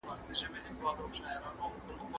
موږ به په ګډه مخکي ځو.